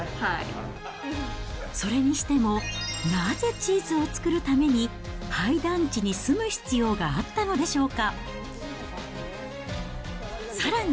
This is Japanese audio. それにしても、なぜチーズを作るために廃団地に住む必要があったのでしょうか。